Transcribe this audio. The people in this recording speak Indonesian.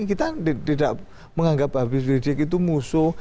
kita tidak menganggap habib rizik itu musuh